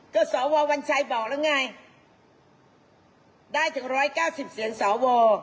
ก็สววัญชัยบอกแล้วไงได้ถึง๑๙๐เสียงสว